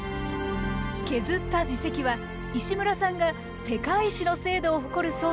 削った耳石は石村さんが世界一の精度を誇る装置で分析。